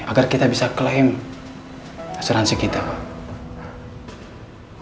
agar kita bisa klaim asuransi kita pak